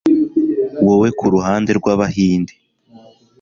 Wowe kuruhande rwAbahinde